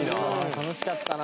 「楽しかったな」